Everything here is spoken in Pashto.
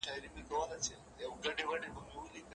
او په آرامه آرامه د خپل څښتن خواته راغی.